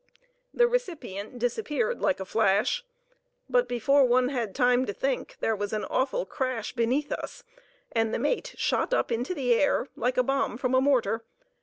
The recipient disappeared like a flash, but before one had time to think, there was an awful crash beneath us, and the mate shot up into the air like a bomb from a mortar.